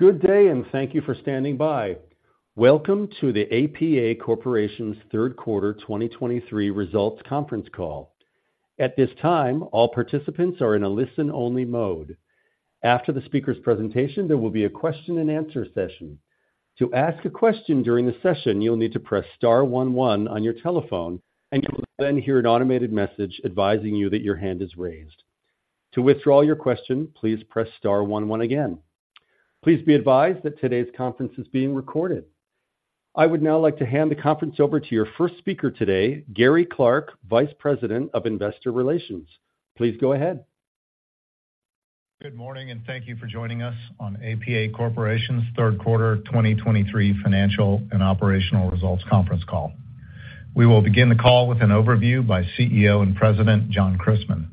Good day, and thank you for standing by. Welcome to the APA Corporation's third quarter 2023 results conference call. At this time, all participants are in a listen-only mode. After the speaker's presentation, there will be a question-and-answer session. To ask a question during the session, you'll need to press star one one on your telephone, and you will then hear an automated message advising you that your hand is raised. To withdraw your question, please press star one one again. Please be advised that today's conference is being recorded. I would now like to hand the conference over to your first speaker today, Gary Clark, Vice President of Investor Relations. Please go ahead. Good morning, and thank you for joining us on APA Corporation's third quarter 2023 financial and operational results conference call. We will begin the call with an overview by CEO and President, John Christmann.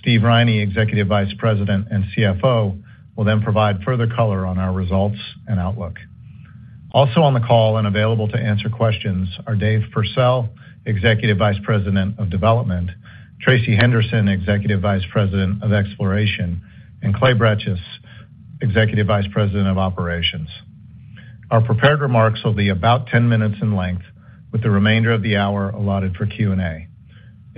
Stephen Riney, Executive Vice President and CFO, will then provide further color on our results and outlook. Also on the call and available to answer questions are Dave Pursell, Executive Vice President of Development, Tracey Henderson, Executive Vice President of Exploration, and Clay Bretches, Executive Vice President of Operations. Our prepared remarks will be about 10 minutes in length, with the remainder of the hour allotted for Q&A.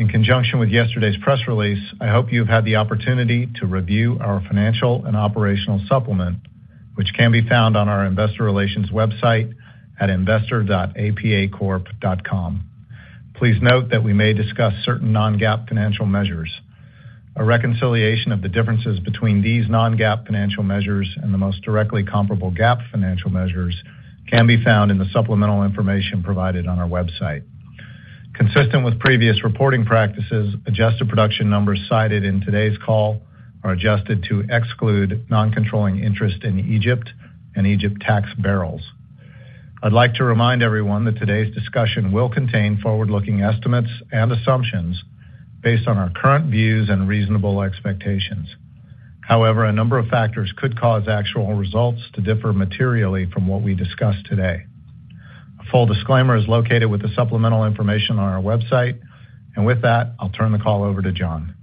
In conjunction with yesterday's press release, I hope you've had the opportunity to review our financial and operational supplement, which can be found on our investor relations website at investor.apacorp.com. Please note that we may discuss certain non-GAAP financial measures. A reconciliation of the differences between these non-GAAP financial measures and the most directly comparable GAAP financial measures can be found in the supplemental information provided on our website. Consistent with previous reporting practices, adjusted production numbers cited in today's call are adjusted to exclude non-controlling interest in Egypt and Egypt tax barrels. I'd like to remind everyone that today's discussion will contain forward-looking estimates and assumptions based on our current views and reasonable expectations. However, a number of factors could cause actual results to differ materially from what we discuss today. A full disclaimer is located with the supplemental information on our website, and with that, I'll turn the call over to John.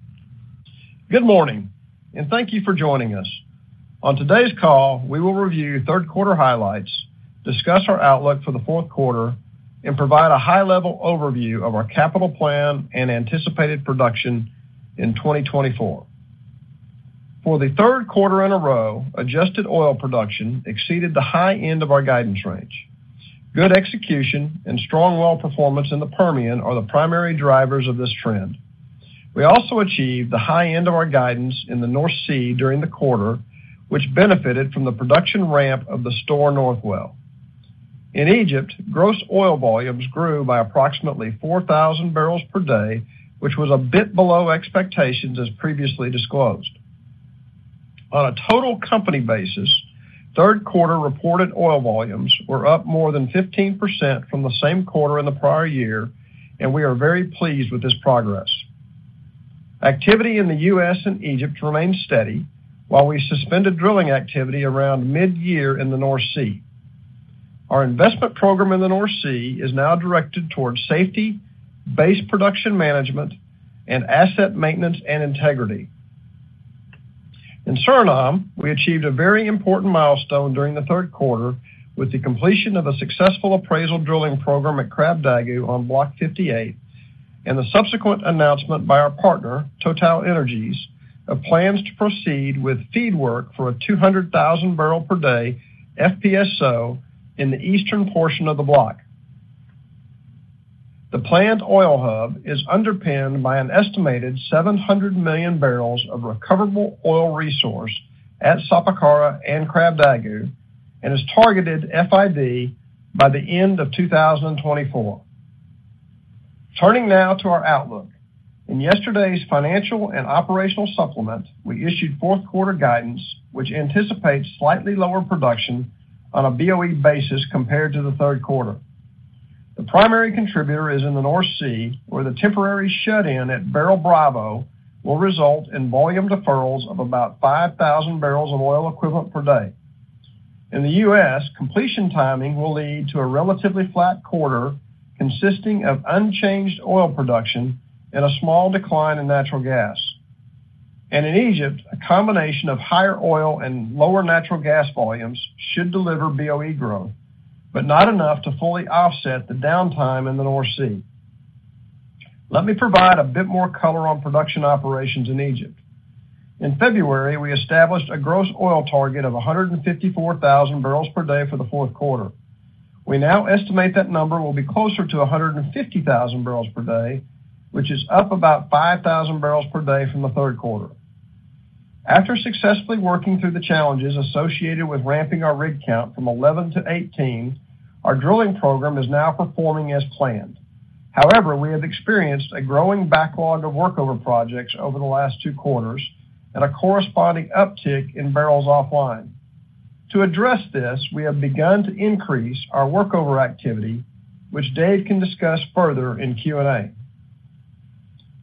Good morning, and thank you for joining us. On today's call, we will review third quarter highlights, discuss our outlook for the fourth quarter, and provide a high-level overview of our capital plan and anticipated production in 2024. For the third quarter in a row, adjusted oil production exceeded the high end of our guidance range. Good execution and strong well performance in the Permian are the primary drivers of this trend. We also achieved the high end of our guidance in the North Sea during the quarter, which benefited from the production ramp of the Storr North well. In Egypt, gross oil volumes grew by approximately 4,000 barrels per day, which was a bit below expectations, as previously disclosed. On a total company basis, third quarter reported oil volumes were up more than 15% from the same quarter in the prior year, and we are very pleased with this progress. Activity in the U.S. and Egypt remained steady, while we suspended drilling activity around mid-year in the North Sea. Our investment program in the North Sea is now directed towards safety, base production management, and asset maintenance and integrity. In Suriname, we achieved a very important milestone during the third quarter with the completion of a successful appraisal drilling program at Krabdagu on Block 58, and the subsequent announcement by our partner, TotalEnergies, of plans to proceed with FEED work for a 200,000 barrel per day FPSO in the eastern portion of the block. The planned oil hub is underpinned by an estimated 700 million barrels of recoverable oil resource at Sapakara and Krabdagu, and is targeted FID by the end of 2024. Turning now to our outlook. In yesterday's financial and operational supplement, we issued fourth quarter guidance, which anticipates slightly lower production on a BOE basis compared to the third quarter. The primary contributor is in the North Sea, where the temporary shut-in at Beryl Bravo will result in volume deferrals of about 5,000 barrels of oil equivalent per day. In the U.S., completion timing will lead to a relatively flat quarter, consisting of unchanged oil production and a small decline in natural gas. And in Egypt, a combination of higher oil and lower natural gas volumes should deliver BOE growth, but not enough to fully offset the downtime in the North Sea. Let me provide a bit more color on production operations in Egypt. In February, we established a gross oil target of 154,000 barrels per day for the fourth quarter. We now estimate that number will be closer to 150,000 barrels per day, which is up about 5,000 barrels per day from the third quarter. After successfully working through the challenges associated with ramping our rig count from 11 to 18, our drilling program is now performing as planned. However, we have experienced a growing backlog of workover projects over the last two quarters and a corresponding uptick in barrels offline. To address this, we have begun to increase our workover activity, which Dave can discuss further in Q&A.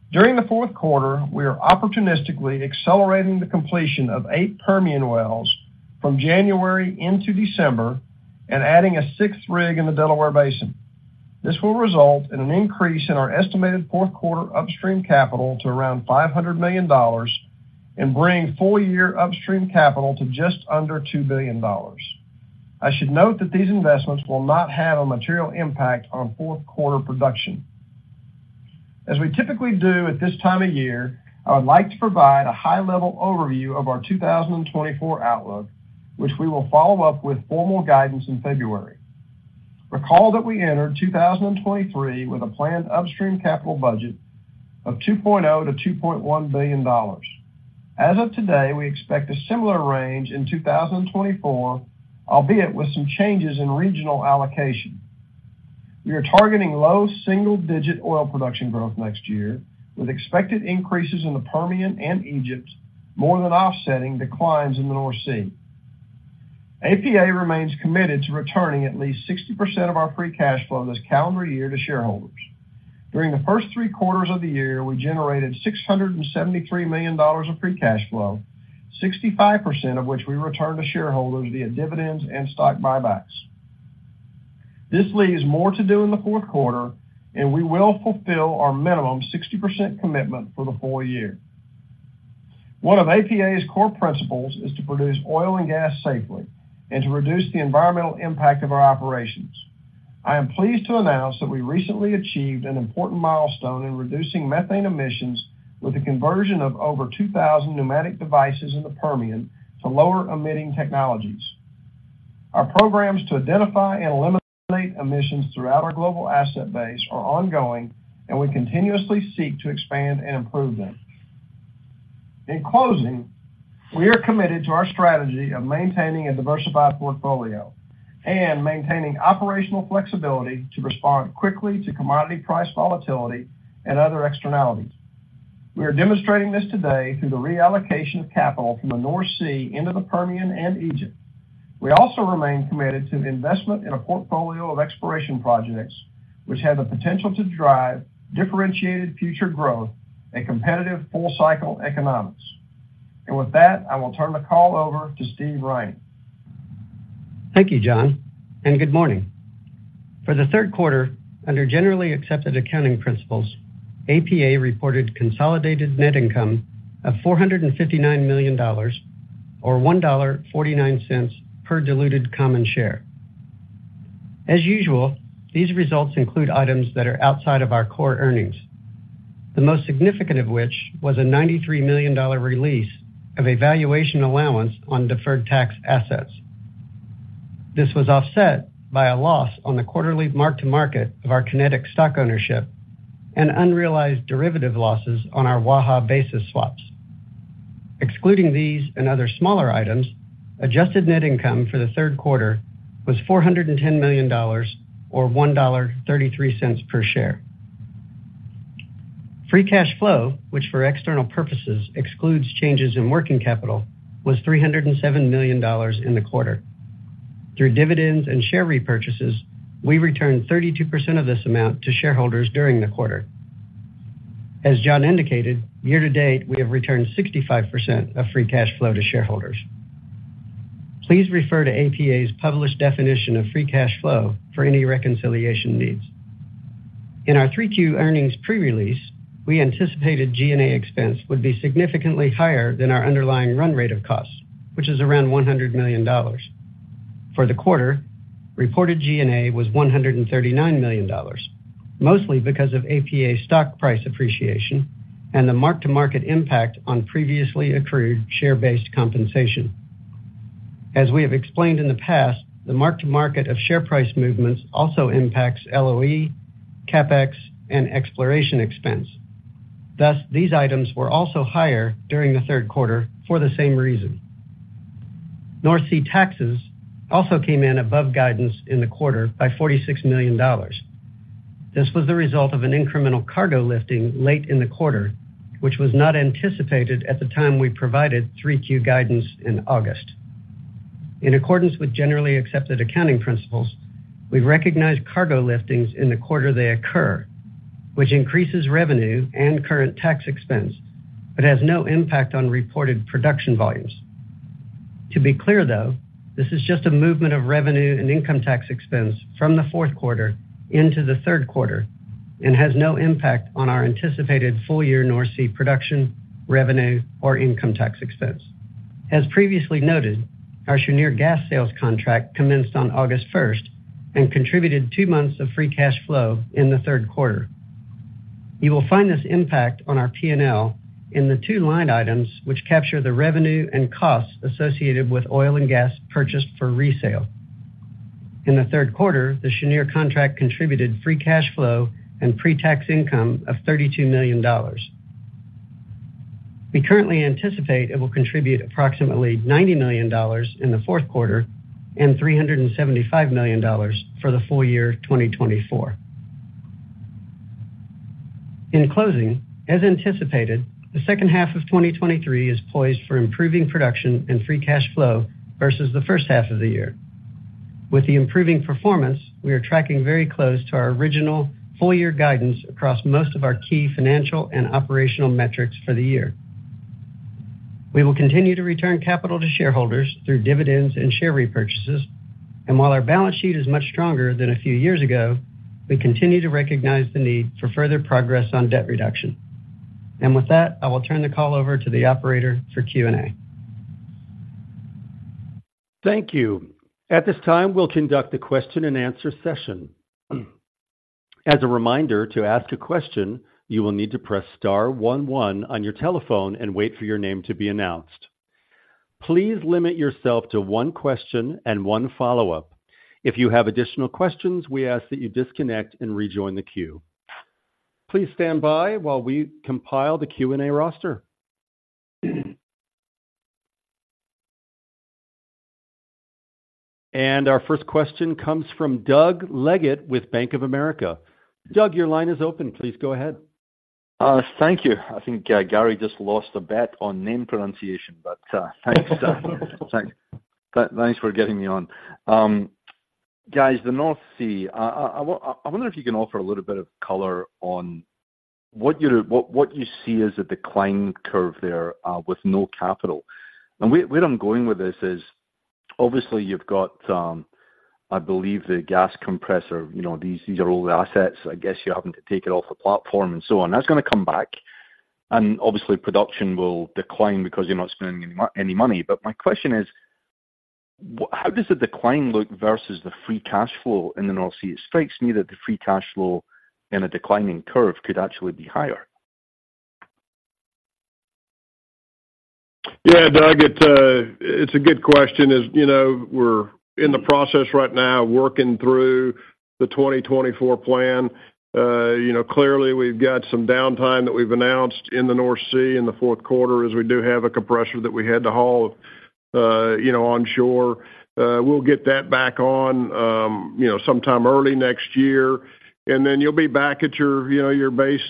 During the fourth quarter, we are opportunistically accelerating the completion of eight Permian wells from January into December and adding a sixth rig in the Delaware Basin. This will result in an increase in our estimated fourth quarter upstream capital to around $500 million and bring full-year upstream capital to just under $2 billion. I should note that these investments will not have a material impact on fourth quarter production. As we typically do at this time of year, I would like to provide a high-level overview of our 2024 outlook, which we will follow up with formal guidance in February. Recall that we entered 2023 with a planned upstream capital budget of $2.0 billion-$2.1 billion. As of today, we expect a similar range in 2024, albeit with some changes in regional allocation. We are targeting low single-digit oil production growth next year, with expected increases in the Permian and Egypt more than offsetting declines in the North Sea. APA remains committed to returning at least 60% of our free cash flow this calendar year to shareholders. During the first three quarters of the year, we generated $673 million of free cash flow, 65% of which we returned to shareholders via dividends and stock buybacks. This leaves more to do in the fourth quarter, and we will fulfill our minimum 60% commitment for the full year. One of APA's core principles is to produce oil and gas safely and to reduce the environmental impact of our operations. I am pleased to announce that we recently achieved an important milestone in reducing methane emissions with the conversion of over 2,000 pneumatic devices in the Permian to lower-emitting technologies. Our programs to identify and eliminate emissions throughout our global asset base are ongoing, and we continuously seek to expand and improve them. In closing, we are committed to our strategy of maintaining a diversified portfolio and maintaining operational flexibility to respond quickly to commodity price volatility and other externalities. We are demonstrating this today through the reallocation of capital from the North Sea into the Permian and Egypt. We also remain committed to investment in a portfolio of exploration projects, which have the potential to drive differentiated future growth and competitive full-cycle economics. With that, I will turn the call over to Stephen Riney. Thank you, John, and good morning. For the third quarter, under generally accepted accounting principles, APA reported consolidated net income of $459 million or $1.49 per diluted common share. As usual, these results include items that are outside of our core earnings, the most significant of which was a $93 million release of a valuation allowance on deferred tax assets. This was offset by a loss on the quarterly mark-to-market of our Kinetik stock ownership and unrealized derivative losses on our Waha basis swaps. Excluding these and other smaller items, adjusted net income for the third quarter was $410 million or $1.33 per share. Free cash flow, which for external purposes excludes changes in working capital, was $307 million in the quarter. Through dividends and share repurchases, we returned 32% of this amount to shareholders during the quarter. As John indicated, year to date, we have returned 65% of free cash flow to shareholders. Please refer to APA's published definition of free cash flow for any reconciliation needs. In our 3Q earnings pre-release, we anticipated G&A expense would be significantly higher than our underlying run rate of costs, which is around $100 million. For the quarter, reported G&A was $139 million, mostly because of APA stock price appreciation and the mark-to-market impact on previously accrued share-based compensation. As we have explained in the past, the mark-to-market of share price movements also impacts LOE, CapEx, and exploration expense. Thus, these items were also higher during the third quarter for the same reason. North Sea taxes also came in above guidance in the quarter by $46 million. This was the result of an incremental cargo lifting late in the quarter, which was not anticipated at the time we provided 3Q guidance in August. In accordance with generally accepted accounting principles, we've recognized cargo liftings in the quarter they occur, which increases revenue and current tax expense, but has no impact on reported production volumes. To be clear, though, this is just a movement of revenue and income tax expense from the fourth quarter into the third quarter and has no impact on our anticipated full-year North Sea production, revenue, or income tax expense. As previously noted, our Cheniere gas sales contract commenced on August 1 and contributed two months of free cash flow in the third quarter. You will find this impact on our P&L in the two line items, which capture the revenue and costs associated with oil and gas purchased for resale. In the third quarter, the Cheniere contract contributed free cash flow and pre-tax income of $32 million. We currently anticipate it will contribute approximately $90 million in the fourth quarter and $375 million for the full year 2024. In closing, as anticipated, the second half of 2023 is poised for improving production and free cash flow versus the first half of the year. With the improving performance, we are tracking very close to our original full-year guidance across most of our key financial and operational metrics for the year. ...We will continue to return capital to shareholders through dividends and share repurchases. While our balance sheet is much stronger than a few years ago, we continue to recognize the need for further progress on debt reduction. With that, I will turn the call over to the operator for Q&A. Thank you. At this time, we'll conduct the question-and-answer session. As a reminder, to ask a question, you will need to press star one one on your telephone and wait for your name to be announced. Please limit yourself to one question and one follow-up. If you have additional questions, we ask that you disconnect and rejoin the queue. Please stand by while we compile the Q&A roster. Our first question comes from Doug Leggate with Bank of America. Doug, your line is open. Please go ahead. Thank you. I think Gary just lost a bet on name pronunciation, but thanks. Thanks for getting me on. Guys, the North Sea, I wonder if you can offer a little bit of color on what you see as a decline curve there with no capital. And where I'm going with this is, obviously, you've got, I believe, the gas compressor, you know, these are all the assets. I guess you're having to take it off the platform and so on. That's gonna come back, and obviously, production will decline because you're not spending any money. But my question is: How does the decline look versus the free cash flow in the North Sea? It strikes me that the free cash flow in a declining curve could actually be higher. Yeah, Doug, it's a good question. As you know, we're in the process right now, working through the 2024 plan. You know, clearly, we've got some downtime that we've announced in the North Sea in the fourth quarter, as we do have a compressor that we had to haul, you know, onshore. We'll get that back on, you know, sometime early next year, and then you'll be back at your, you know, your base,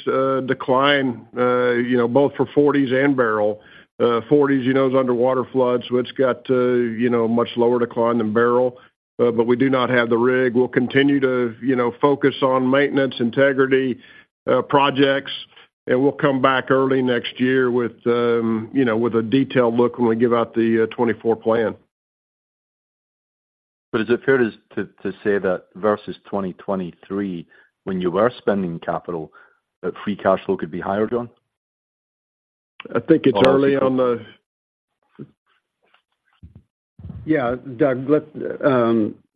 decline, you know, both for Forties and Beryl. Forties, you know, is waterflood, so it's got, you know, much lower decline than Beryl. But we do not have the rig. We'll continue to, you know, focus on maintenance, integrity, projects, and we'll come back early next year with, you know, with a detailed look when we give out the 2024 plan. But is it fair to say that versus 2023, when you were spending capital, that free cash flow could be higher, John? I think it's early on the- Yeah, Doug.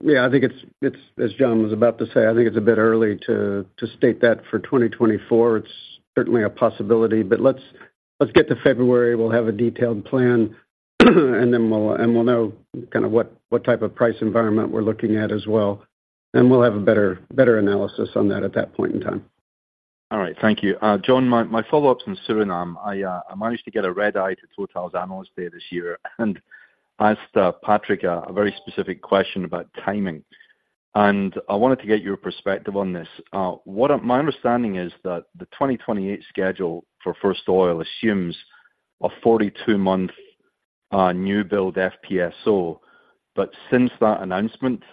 Yeah, I think it's as John was about to say. I think it's a bit early to state that for 2024. It's certainly a possibility, but let's get to February. We'll have a detailed plan, and then we'll know kind of what type of price environment we're looking at as well, and we'll have a better analysis on that at that point in time. All right. Thank you. John, my follow-up's on Suriname. I managed to get a red eye to Total's Analyst Day this year, and asked Patrick a very specific question about timing, and I wanted to get your perspective on this. What I-- my understanding is that the 2028 schedule for first oil assumes a 42-month new build FPSO. But since that announcement,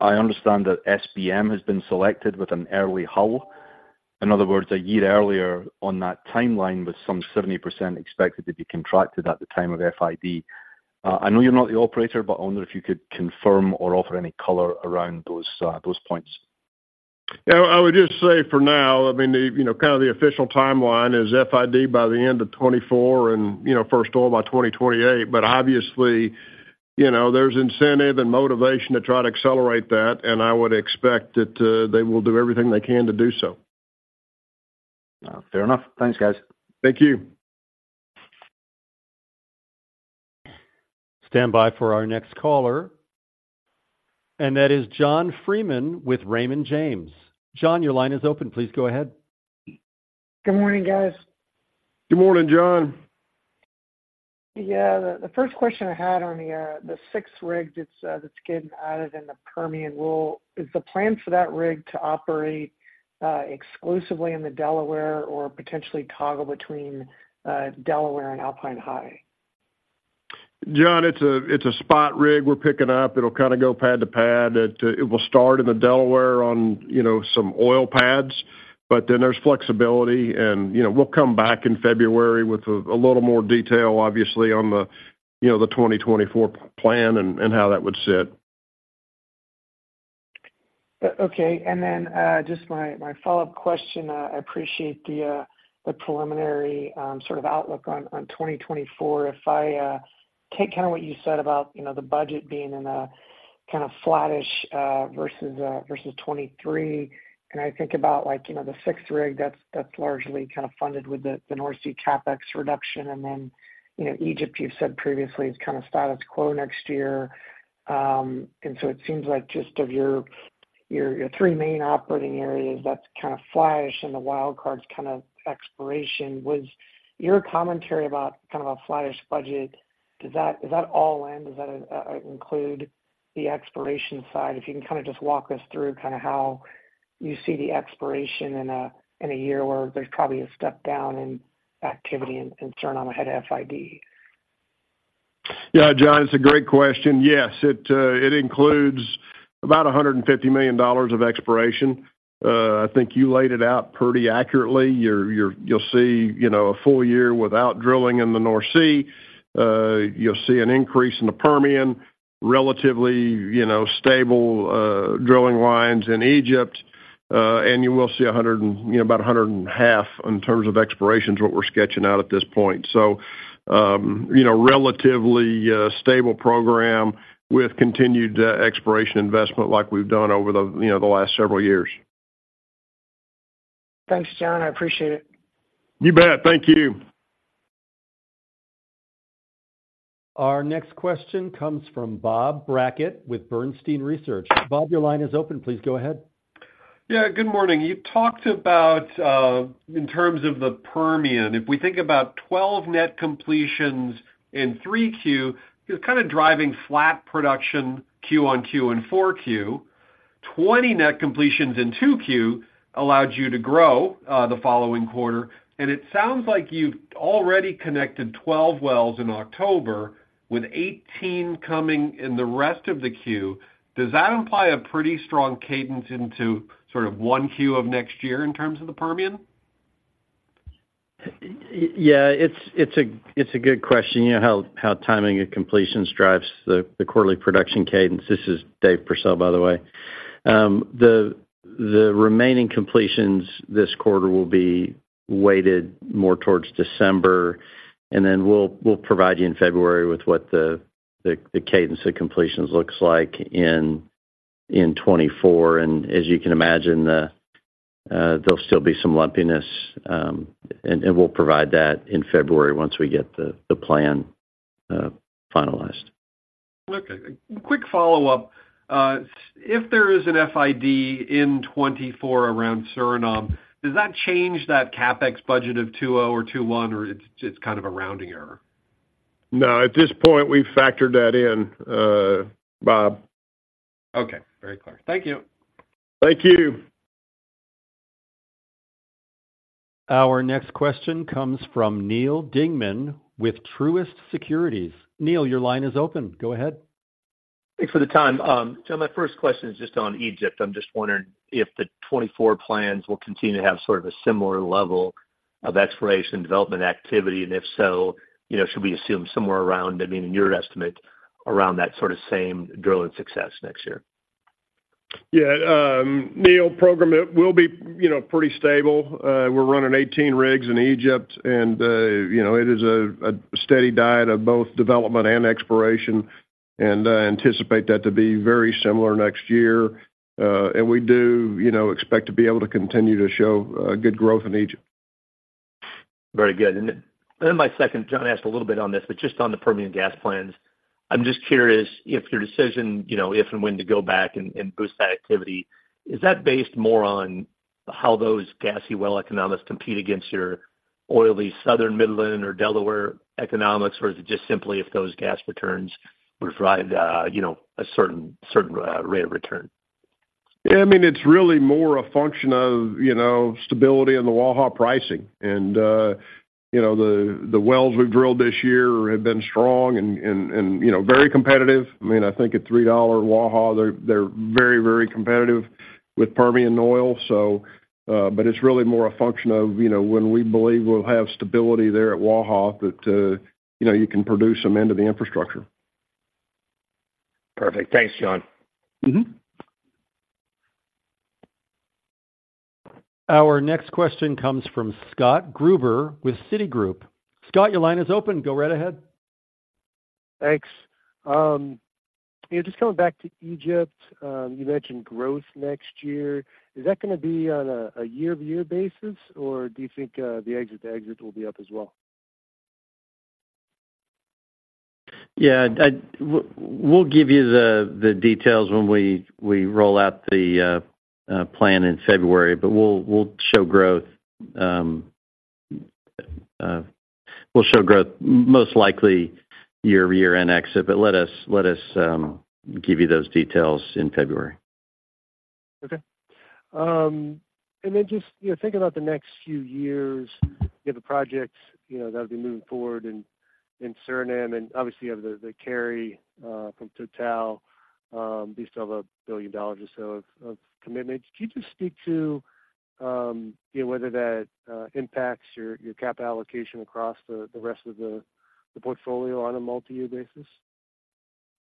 I understand that SBM has been selected with an early hull, in other words, a year earlier on that timeline, with some 70% expected to be contracted at the time of FID. I know you're not the operator, but I wonder if you could confirm or offer any color around those points. Yeah, I would just say for now, I mean, the, you know, kind of official timeline is FID by the end of 2024 and, you know, first oil by 2028. But obviously, you know, there's incentive and motivation to try to accelerate that, and I would expect that they will do everything they can to do so. Fair enough. Thanks, guys. Thank you. Stand by for our next caller. That is John Freeman with Raymond James. John, your line is open. Please go ahead. Good morning, guys. Good morning, John. Yeah, the first question I had on the sixth rig that's getting added in the Permian role. Is the plan for that rig to operate exclusively in the Delaware or potentially toggle between Delaware and Alpine High? John, it's a spot rig we're picking up. It'll kind of go pad to pad. It will start in the Delaware on, you know, some oil pads, but then there's flexibility. And, you know, we'll come back in February with a little more detail, obviously, on the, you know, the 2024 plan and how that would sit. Okay. And then, just my follow-up question. I appreciate the preliminary sort of outlook on 2024. If I take kind of what you said about, you know, the budget being in a kind of flattish versus 2023, and I think about, like, you know, the sixth rig, that's largely kind of funded with the North Sea CapEx reduction. And then, you know, Egypt, you've said previously, is kind of status quo next year. And so it seems like just of your three main operating areas, that's kind of flattish, and the wild card's kind of exploration. Was your commentary about kind of a flattish budget, does that, is that all land? Does that include the exploration side? If you can kind of just walk us through kind of how you see the exploration in a year where there's probably a step down in activity and turn on the head of FID.... Yeah, John, it's a great question. Yes, it, it includes about $150 million of exploration. I think you laid it out pretty accurately. You're, you're. You'll see, you know, a full year without drilling in the North Sea. You'll see an increase in the Permian, relatively, you know, stable, drilling lines in Egypt. And you will see a hundred and, you know, about 150 in terms of explorations, what we're sketching out at this point. So, you know, relatively, stable program with continued, exploration investment like we've done over the, you know, the last several years. Thanks, John. I appreciate it. You bet. Thank you. Our next question comes from Bob Brackett with Bernstein Research. Bob, your line is open. Please go ahead. Yeah, good morning. You talked about, in terms of the Permian, if we think about 12 net completions in 3Q, you're kind of driving flat production Q-on-Q and 4Q. 20 net completions in 2Q allowed you to grow, the following quarter, and it sounds like you've already connected 12 wells in October, with 18 coming in the rest of the Q. Does that imply a pretty strong cadence into sort of 1Q of next year in terms of the Permian? Yeah, it's a good question, you know, how timing of completions drives the quarterly production cadence. This is Dave Pursell, by the way. The remaining completions this quarter will be weighted more towards December, and then we'll provide you in February with what the cadence of completions looks like in 2024. And as you can imagine, there'll be some lumpiness, and we'll provide that in February once we get the plan finalized. Okay. Quick follow-up. If there is an FID in 2024 around Suriname, does that change that CapEx budget of $2.0 or $2.1, or it's just kind of a rounding error? No, at this point, we've factored that in, Bob. Okay. Very clear. Thank you. Thank you. Our next question comes from Neal Dingman with Truist Securities. Neal, your line is open. Go ahead. Thanks for the time. So my first question is just on Egypt. I'm just wondering if the 2024 plans will continue to have sort of a similar level of exploration and development activity, and if so, you know, should we assume somewhere around, I mean, in your estimate, around that sort of same drilling success next year? Yeah, Neal, production will be, you know, pretty stable. We're running 18 rigs in Egypt, and, you know, it is a steady diet of both development and exploration, and anticipate that to be very similar next year. And we do, you know, expect to be able to continue to show good growth in Egypt. Very good. And then my second, John asked a little bit on this, but just on the Permian gas plans, I'm just curious if your decision, you know, if and when to go back and boost that activity, is that based more on how those gassy well economics compete against your oily Southern Midland or Delaware economics, or is it just simply if those gas returns would provide, you know, a certain rate of return? Yeah, I mean, it's really more a function of, you know, stability in the Waha pricing. And, you know, the wells we've drilled this year have been strong and, you know, very competitive. I mean, I think at $3 Waha, they're very, very competitive with Permian oil. So, but it's really more a function of, you know, when we believe we'll have stability there at Waha that, you know, you can produce them into the infrastructure. Perfect. Thanks, John. Mm-hmm. Our next question comes from Scott Gruber with Citigroup. Scott, your line is open. Go right ahead. Thanks. Yeah, just coming back to Egypt, you mentioned growth next year. Is that gonna be on a year-over-year basis, or do you think the exit to exit will be up as well? Yeah, we'll give you the details when we roll out the plan in February, but we'll show growth most likely year-over-year and exit, but let us give you those details in February. Okay. And then just, you know, thinking about the next few years, you have the projects, you know, that'll be moving forward in, in Suriname, and obviously, you have the, the carry, from Total, based on $1 billion or so of, of commitment. Could you just speak to, you know, whether that, impacts your, your cap allocation across the, the rest of the, the portfolio on a multi-year basis?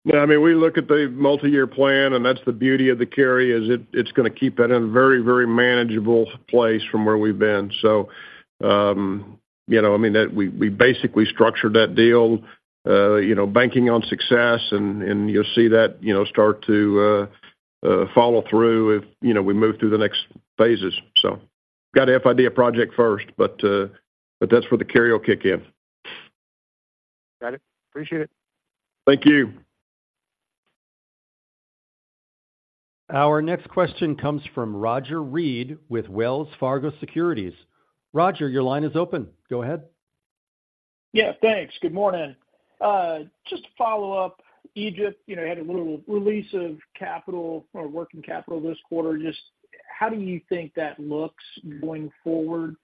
Yeah, I mean, we look at the multi-year plan, and that's the beauty of the carry, is it, it's gonna keep that in a very, very manageable place from where we've been. So, you know, I mean, that we, we basically structured that deal, you know, banking on success, and, and you'll see that, you know, start to follow through if, you know, we move through the next phases. So got to FID a project first, but, but that's where the carry will kick in. Got it. Appreciate it. Thank you. Our next question comes from Roger Read with Wells Fargo Securities. Roger, your line is open. Go ahead. Yeah, thanks. Good morning. Just to follow up, Egypt, you know, had a little release of capital or working capital this quarter. Just how do you think that looks going forward?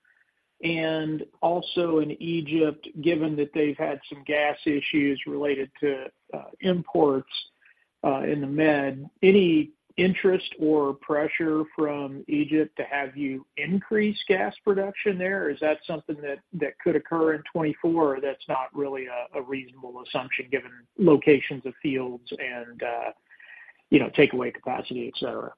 And also in Egypt, given that they've had some gas issues related to imports in the Med, any interest or pressure from Egypt to have you increase gas production there? Is that something that, that could occur in 2024, or that's not really a, a reasonable assumption, given locations of fields and, you know, takeaway capacity, et cetera?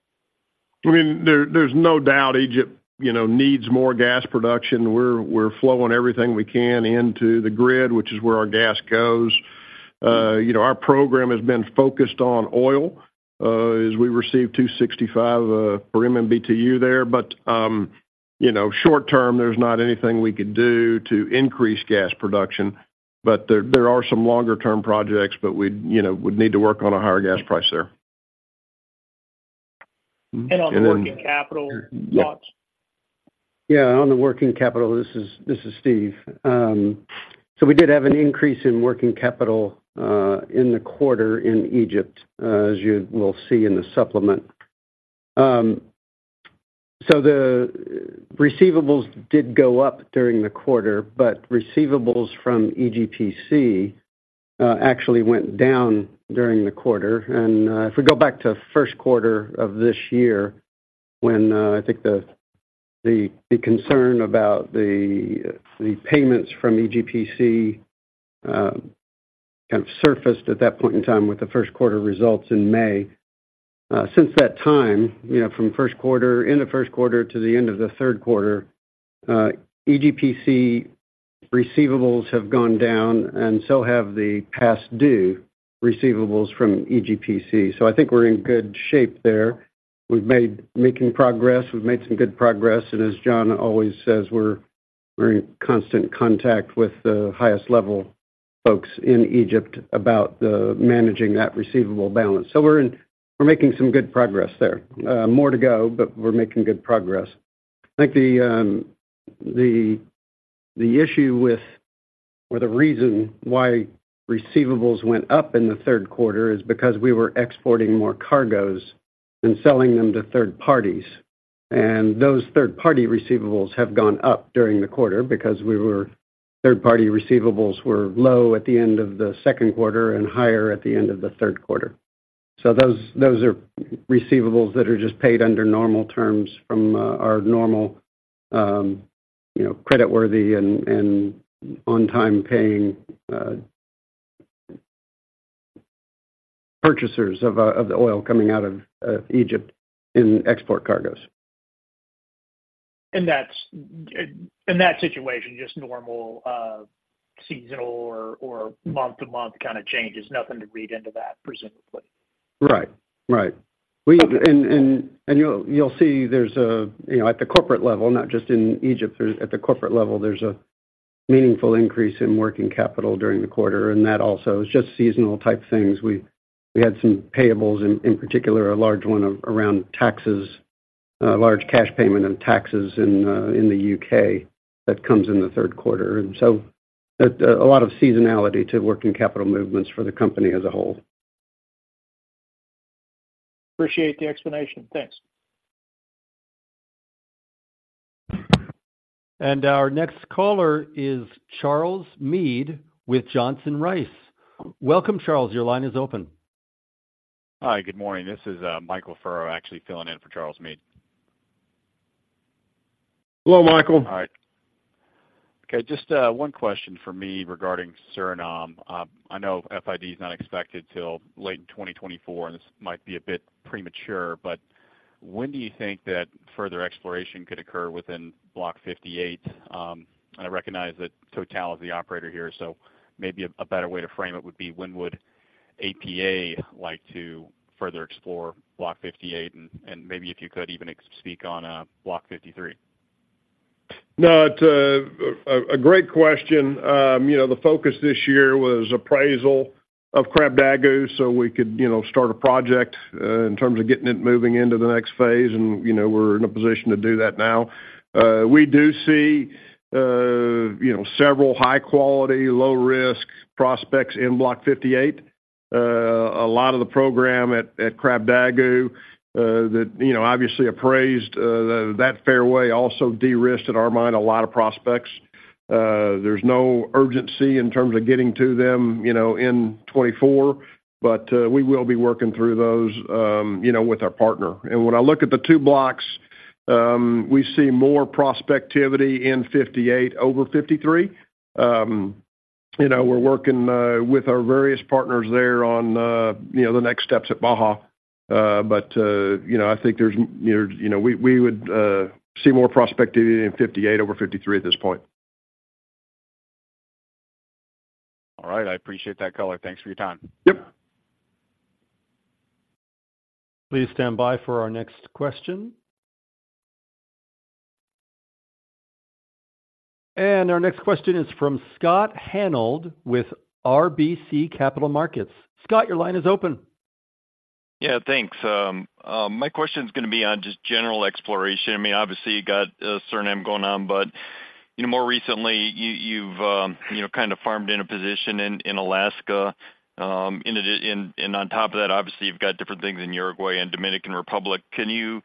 I mean, there, there's no doubt Egypt, you know, needs more gas production. We're, we're flowing everything we can into the grid, which is where our gas goes. You know, our program has been focused on oil, as we receive $2.65 per MMBtu there. But, you know, short term, there's not anything we could do to increase gas production, but there, there are some longer-term projects, but we'd, you know, would need to work on a higher gas price there. On working capital thoughts? Yeah, on the working capital, this is Steve. So we did have an increase in working capital in the quarter in Egypt, as you will see in the supplement. So the receivables did go up during the quarter, but receivables from EGPC actually went down during the quarter. And if we go back to first quarter of this year, when I think the concern about the payments from EGPC kind of surfaced at that point in time with the first quarter results in May. Since that time, you know, from the first quarter to the end of the third quarter, EGPC receivables have gone down and so have the past due receivables from EGPC. So I think we're in good shape there. We're making progress. We've made some good progress, and as John always says, we're in constant contact with the highest-level folks in Egypt about managing that receivable balance. So we're making some good progress there. More to go, but we're making good progress. I think the issue with or the reason why receivables went up in the third quarter is because we were exporting more cargoes and selling them to third parties. And those third-party receivables have gone up during the quarter because third-party receivables were low at the end of the second quarter and higher at the end of the third quarter. So those are receivables that are just paid under normal terms from our normal, you know, creditworthy and on-time paying purchasers of the oil coming out of Egypt in export cargoes. And that's in that situation, just normal, seasonal or month-to-month kind of changes, nothing to read into that, presumably? Right. Right. Okay. And you'll see there's a, you know, at the corporate level, not just in Egypt, there's... At the corporate level, there's a meaningful increase in working capital during the quarter, and that also is just seasonal-type things. We had some payables, in particular, a large one of around taxes, large cash payment and taxes in the U.K., that comes in the third quarter. And so, a lot of seasonality to working capital movements for the company as a whole. Appreciate the explanation. Thanks. Our next caller is Charles Meade with Johnson Rice. Welcome, Charles, your line is open. Hi, good morning. This is Michael Furrow, actually filling in for Charles Mead. Hello, Michael. Hi. Okay, just one question for me regarding Suriname. I know FID is not expected till late in 2024, and this might be a bit premature, but when do you think that further exploration could occur within Block 58? And I recognize that Total is the operator here, so maybe a better way to frame it would be: when would APA like to further explore Block 58? And maybe if you could even speak on Block 53. No, it's a great question. You know, the focus this year was appraisal of Krabdagu, so we could, you know, start a project in terms of getting it moving into the next phase, and, you know, we're in a position to do that now. We do see, you know, several high quality, low risk prospects in Block 58. A lot of the program at Krabdagu that, you know, obviously appraised that fairway also de-risked, in our mind, a lot of prospects. There's no urgency in terms of getting to them, you know, in 2024, but we will be working through those, you know, with our partner. And when I look at the two blocks, we see more prospectivity in 58 over 53. You know, we're working with our various partners there on, you know, the next steps at Baja. But, you know, I think there's, you know, you know, we would see more prospectivity in 58 over 53 at this point. All right. I appreciate that color. Thanks for your time. Yep. Please stand by for our next question. Our next question is from Scott Hanold with RBC Capital Markets. Scott, your line is open. Yeah, thanks. My question is gonna be on just general exploration. I mean, obviously, you got Suriname going on, but, you know, more recently, you, you've, you know, kind of farmed in a position in, in Alaska. And on top of that, obviously, you've got different things in Uruguay and Dominican Republic. Can you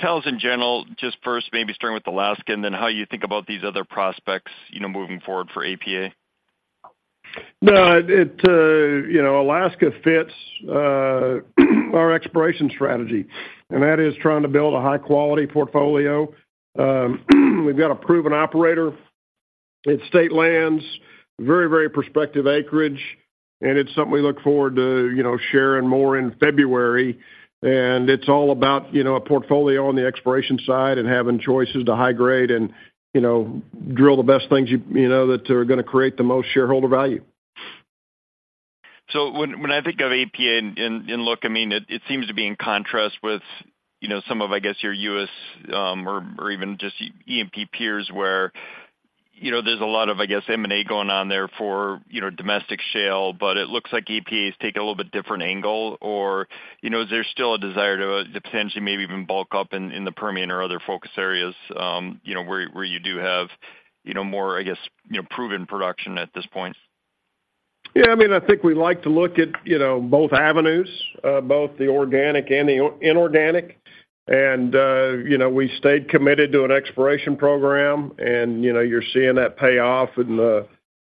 tell us in general, just first, maybe starting with Alaska, and then how you think about these other prospects, you know, moving forward for APA? ... No, it, you know, Alaska fits our exploration strategy, and that is trying to build a high-quality portfolio. We've got a proven operator. It's state lands, very, very prospective acreage, and it's something we look forward to, you know, sharing more in February. And it's all about, you know, a portfolio on the exploration side and having choices to high grade and, you know, drill the best things you, you know, that are going to create the most shareholder value. So when, when I think of APA and, and look, I mean, it, it seems to be in contrast with, you know, some of, I guess, your U.S., or, or even just E&P peers, where, you know, there's a lot of, I guess, M&A going on there for, you know, domestic shale. But it looks like APA is taking a little bit different angle, or, you know, is there still a desire to potentially maybe even bulk up in, in the Permian or other focus areas, you know, where, where you do have, you know, more, I guess, you know, proven production at this point? Yeah, I mean, I think we like to look at, you know, both avenues, both the organic and the inorganic. And, you know, we stayed committed to an exploration program, and, you know, you're seeing that pay off in the,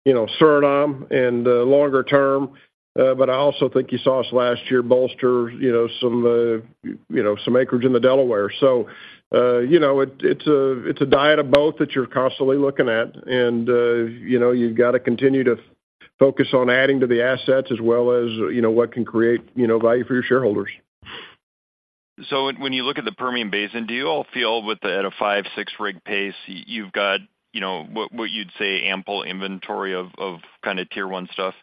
you know, Suriname and longer term. But I also think you saw us last year bolster, you know, some, you know, some acreage in the Delaware. So, you know, it's a diet of both that you're constantly looking at. And, you know, you've got to continue to focus on adding to the assets as well as, you know, what can create, you know, value for your shareholders. So when you look at the Permian Basin, do you all feel with at a five, six rig pace, you've got, you know, what you'd say, ample inventory of kind of tier one stuff?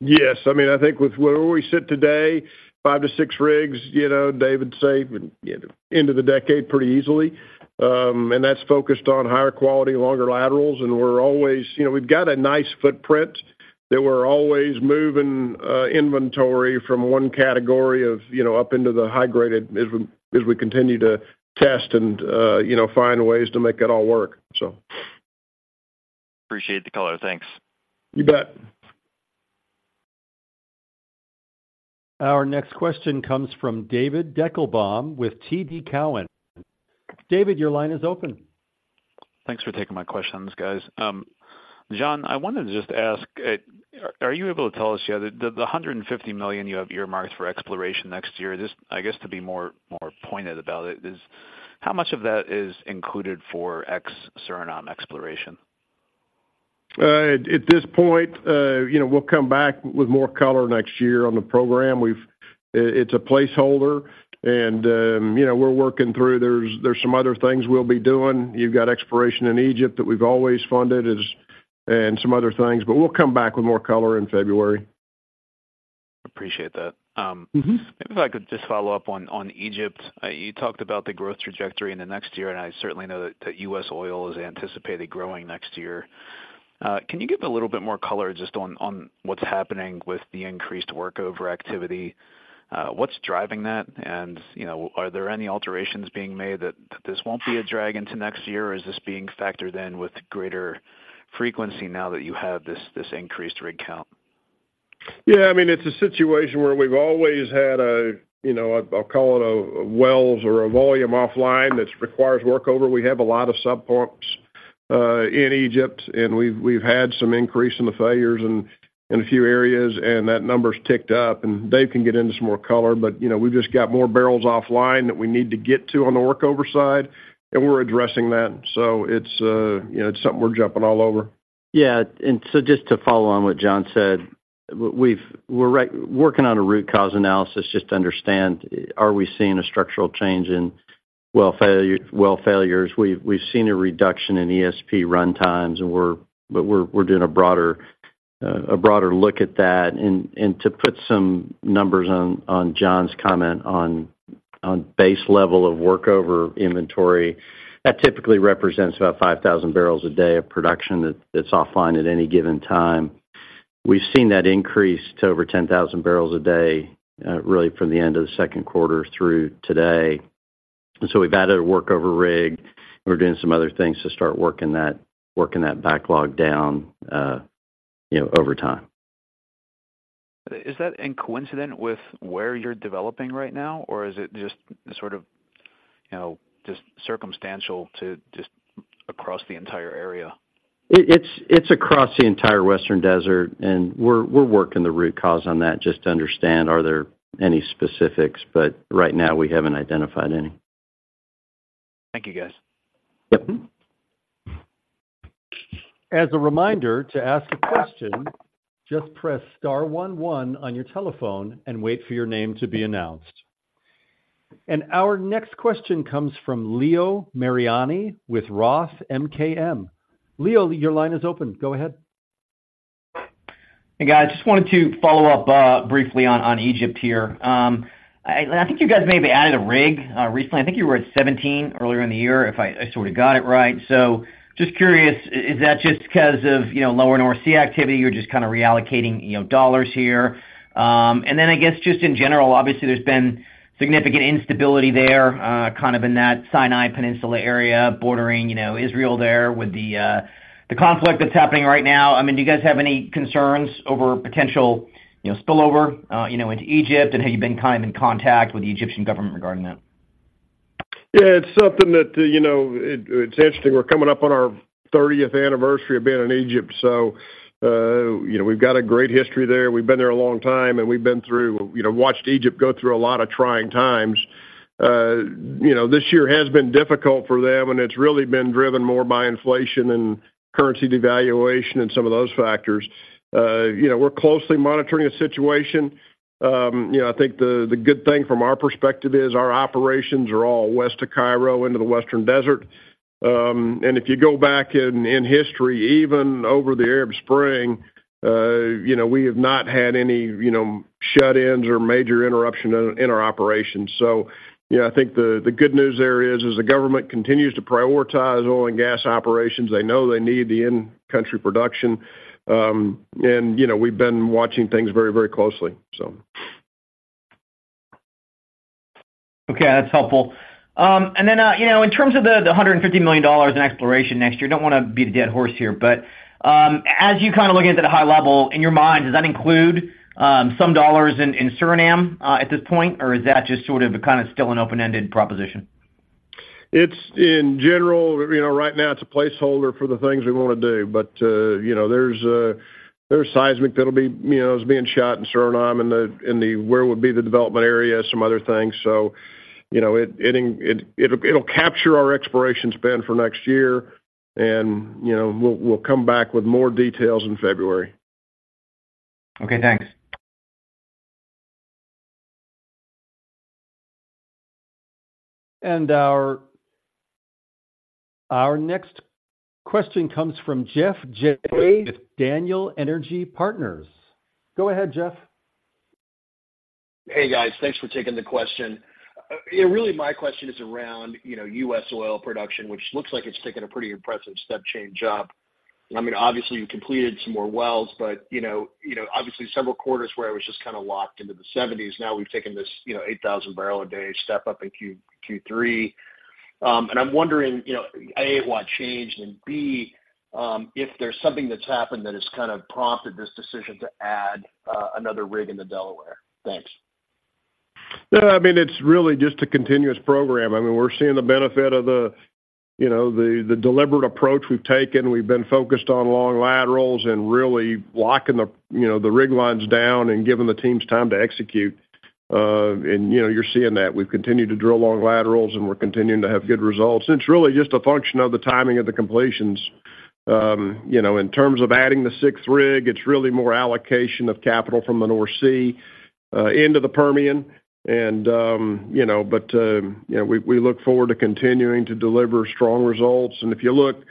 Yes. I mean, I think with where we sit today, 5-6 rigs, you know, David would say, you know, end of the decade pretty easily. And that's focused on higher quality, longer laterals, and we're always... You know, we've got a nice footprint that we're always moving inventory from one category of, you know, up into the high grade as we, as we continue to test and, you know, find ways to make it all work, so. Appreciate the color. Thanks. You bet. Our next question comes from David Deckelbaum with TD Cowen. David, your line is open. Thanks for taking my questions, guys. John, I wanted to just ask, are you able to tell us, yeah, the $150 million you have earmarked for exploration next year, just I guess, to be more pointed about it, is how much of that is included for ex-Suriname exploration? At this point, you know, we'll come back with more color next year on the program. We've, it's a placeholder, and, you know, we're working through. There's, there's some other things we'll be doing. You've got exploration in Egypt that we've always funded, as, and some other things, but we'll come back with more color in February. Appreciate that. Mm-hmm. Maybe if I could just follow up on Egypt. You talked about the growth trajectory in the next year, and I certainly know that U.S. oil is anticipated growing next year. Can you give a little bit more color just on what's happening with the increased workover activity? What's driving that? And, you know, are there any alterations being made that this won't be a drag into next year, or is this being factored in with greater frequency now that you have this increased rig count? Yeah, I mean, it's a situation where we've always had a, you know, I'll call it a wells or a volume offline that requires workover. We have a lot of sub pumps in Egypt, and we've had some increase in the failures in a few areas, and that number's ticked up, and Dave can get into some more color. But, you know, we've just got more barrels offline that we need to get to on the workover side, and we're addressing that. So it's, you know, it's something we're jumping all over. Yeah. And so just to follow on what John said, we're working on a root cause analysis just to understand, are we seeing a structural change in well failure, well failures? We've seen a reduction in ESP runtimes, and but we're doing a broader look at that. And to put some numbers on John's comment on base level of workover inventory, that typically represents about 5,000 barrels a day of production that's offline at any given time. We've seen that increase to over 10,000 barrels a day, really from the end of the second quarter through today. And so we've added a workover rig. We're doing some other things to start working that backlog down, you know, over time. Is that in coincident with where you're developing right now, or is it just sort of, you know, just circumstantial to just across the entire area? It's across the entire Western Desert, and we're working the root cause on that just to understand, are there any specifics? But right now we haven't identified any. Thank you, guys. Yep. As a reminder, to ask a question, just press star one one on your telephone and wait for your name to be announced. Our next question comes from Leo Mariani with Roth MKM. Leo, your line is open. Go ahead. Hey, guys. Just wanted to follow up briefly on Egypt here. I think you guys maybe added a rig recently. I think you were at 17 earlier in the year, if I sort of got it right. So just curious, is that just because of lower North Sea activity, you're just kind of reallocating dollars here? And then I guess, just in general, obviously, there's been significant instability there, kind of in that Sinai Peninsula area bordering Israel there with the conflict that's happening right now. I mean, do you guys have any concerns over potential spillover into Egypt? And have you been in contact with the Egyptian government regarding that? ... Yeah, it's something that, you know, it, it's interesting. We're coming up on our 30th anniversary of being in Egypt, so, you know, we've got a great history there. We've been there a long time, and we've been through, you know, watched Egypt go through a lot of trying times. You know, this year has been difficult for them, and it's really been driven more by inflation and currency devaluation and some of those factors. You know, we're closely monitoring the situation. You know, I think the, the good thing from our perspective is our operations are all west of Cairo into the Western Desert. And if you go back in, in history, even over the Arab Spring, you know, we have not had any, you know, shut-ins or major interruption in, in our operations. You know, I think the good news there is the government continues to prioritize oil and gas operations. They know they need the in-country production. And, you know, we've been watching things very, very closely, so. Okay, that's helpful. And then, you know, in terms of the $150 million in exploration next year, don't wanna beat a dead horse here, but as you kind of look at it at a high level, in your mind, does that include some dollars in Suriname at this point? Or is that just sort of kind of still an open-ended proposition? It's, in general, you know, right now it's a placeholder for the things we want to do. But, you know, there's seismic that'll be, you know, is being shot in Suriname, in the, in the... where would be the development area, some other things. So, you know, it'll capture our exploration spend for next year, and, you know, we'll come back with more details in February. Okay, thanks. Our next question comes from Geoff Jay with Daniel Energy Partners. Go ahead, Geoff. Hey, guys. Thanks for taking the question. Yeah, really, my question is around, you know, U.S. oil production, which looks like it's taking a pretty impressive step change up. I mean, obviously, you completed some more wells, but, you know, obviously several quarters where it was just kind of locked into the seventies. Now we've taken this, you know, 8,000-barrel-a-day step up in Q3. And I'm wondering, you know, A, what changed, and B, if there's something that's happened that has kind of prompted this decision to add another rig in the Delaware? Thanks. Yeah, I mean, it's really just a continuous program. I mean, we're seeing the benefit of the, you know, the deliberate approach we've taken. We've been focused on long laterals and really locking the, you know, the rig lines down and giving the teams time to execute. And, you know, you're seeing that. We've continued to drill long laterals, and we're continuing to have good results. It's really just a function of the timing of the completions. You know, in terms of adding the sixth rig, it's really more allocation of capital from the North Sea into the Permian. And, you know, we look forward to continuing to deliver strong results. And if you look,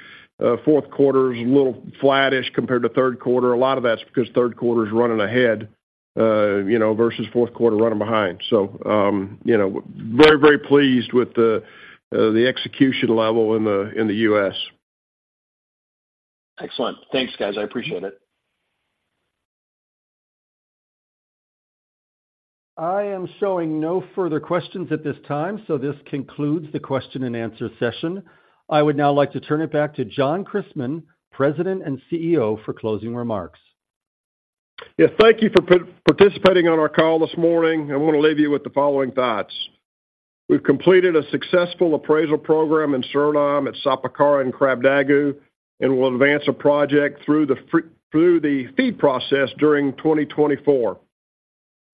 fourth quarter is a little flattish compared to third quarter. A lot of that's because third quarter is running ahead, you know, versus fourth quarter running behind. So, you know, very, very pleased with the execution level in the U.S., Excellent. Thanks, guys. I appreciate it. I am showing no further questions at this time, so this concludes the question-and-answer session. I would now like to turn it back to John Christmann, President and CEO, for closing remarks. Yeah, thank you for participating on our call this morning. I want to leave you with the following thoughts: We've completed a successful appraisal program in Suriname, at Sapakara and Krabdagu, and we'll advance a project through the FEED process during 2024.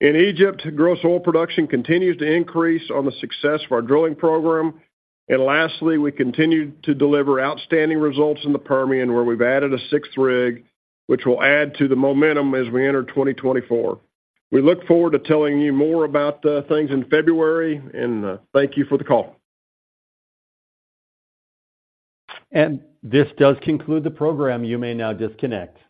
In Egypt, gross oil production continues to increase on the success of our drilling program. And lastly, we continue to deliver outstanding results in the Permian, where we've added a sixth rig, which will add to the momentum as we enter 2024. We look forward to telling you more about things in February, and thank you for the call. This does conclude the program. You may now disconnect.